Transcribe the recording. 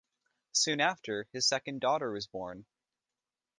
Soon after, his second daughter was born.